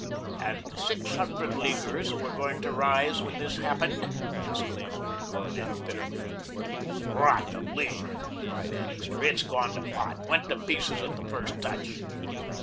"And the six hundred Leaguers who were going to rise when this happened!" exclaimed Garnett, bitterly. "Rot the League," cried Annixter. "It's gone to pot went to pieces at the first touch."